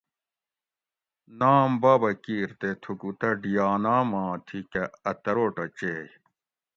نام بابہ کیر تے تھوکو تہ ڈیانا ما تھی کہ ا تروٹہ چیئے